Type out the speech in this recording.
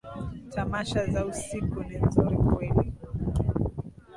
Tamasha za usiku ni nzuri kweli?